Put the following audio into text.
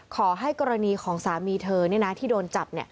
ขอให้กรณีของสามีเธอที่โดนจับ